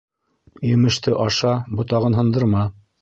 Емеште аша, ботағын һындырма.